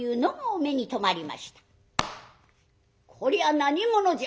「こりゃ何者じゃ？」。